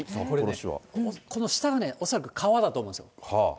この下は恐らく川だと思うんですよ。